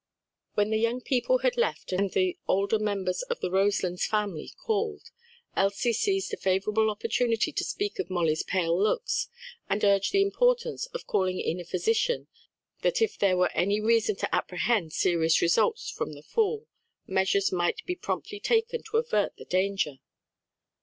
When the young people had left and the older members of the Roselands family called, Elsie seized a favorable opportunity to speak of Molly's pale looks and urge the importance of calling in a physician that if there were any reason to apprehend serious results from the fall, measures might be promptly taken to avert the danger.